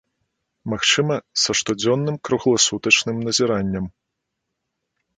Магчыма, са штодзённым кругласутачным назіраннем.